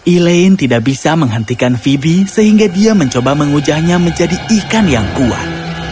elaine tidak bisa menghentikan fibi sehingga dia mencoba mengujahnya menjadi ikan yang kuat